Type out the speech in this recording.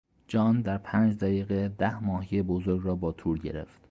جان در پنج دقیقه ده ماهی بزرگ را با تور گرفت.